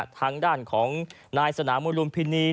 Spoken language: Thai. ทางด้านของนายสนามูลุมพินี